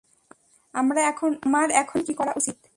আমার এখন কি করা উচিত?